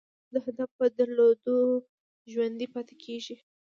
روح د هدف په درلودو ژوندی پاتې کېږي.